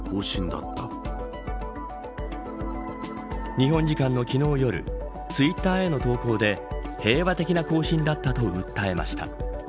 日本時間の昨日夜ツイッターへの投稿で平和的な行進だったと訴えました。